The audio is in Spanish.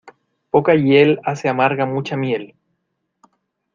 Poca hiel hace amarga mucha miel.